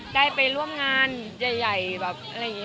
ได้ไปร่วมงานใหญ่แบบอะไรอย่างนี้